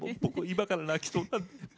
今から泣きそうなんで。